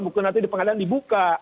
buku nanti di pengadilan dibuka